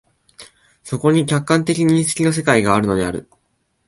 そこに客観的認識の世界があるのである。